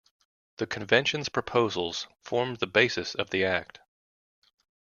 The Convention's proposals formed the basis of the Act.